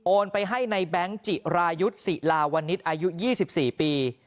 โอนไปให้ในแบงค์จิรายุสิราวณิชย์อายุ๒๔ปี